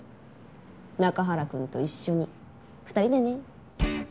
中原くんと一緒に２人でね。